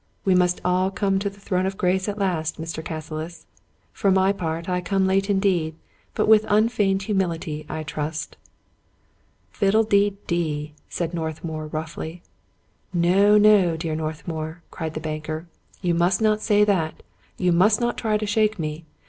We must all come to the throne of grace at last, Mr. Cas silis. For my part, I come late indeed ; but with unfeigned humility, I trust." " Fiddle de dee !" said Northmour roughly. " No, no, dear Northmour !" cried the banker. " You must not say that ; you must not try to shake me.